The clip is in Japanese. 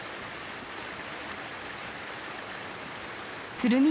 鶴見